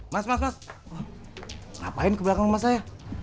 mas mas mas ngapain ke belakang rumah saya